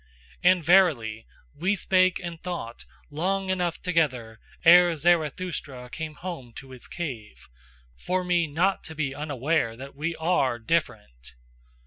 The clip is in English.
And verily, we spake and thought long enough together ere Zarathustra came home to his cave, for me not to be unaware that we ARE different.